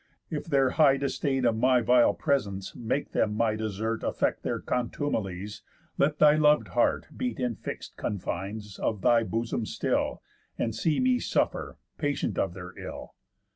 If their high disdain Of my vile presence make them my desert Affect with contumelies, let thy lov'd heart Beat in fix'd cónfines of thy bosom still, And see me suffer, patient of their ill.